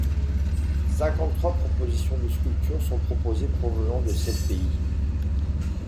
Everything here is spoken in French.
Cinquante-trois propositions de sculptures sont proposées provenant de sept pays.